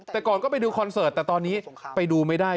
แต่ก่อนก็ไปดูคอนเสิร์ตแต่ตอนนี้ไปดูไม่ได้